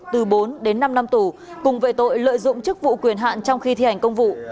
từ bốn đến năm năm tù cùng về tội lợi dụng chức vụ quyền hạn trong khi thi hành công vụ